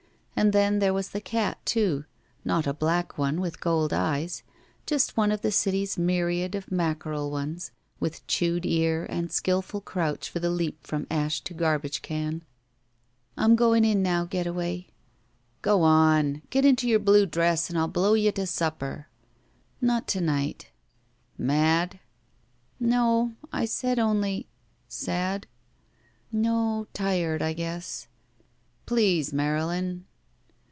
And then there was the cat, too — not a black one with gold eyes, just one of the city's myriad of mackerel ones, with chewed ear and a skillful crouch for the leap from ash to garbage can. "I'm going in now, Getaway." "Gowann! Get into your blue dress and I'll blow you to supper." ''Not to night." "Mad?" "No. I said only— " "Sad?" "No— tired— I guess." "Please, Marylin."